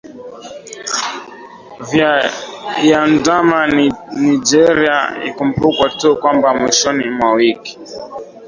vya iandama nigeria ikumbukwa tu kwamba mwishoni mwa wiki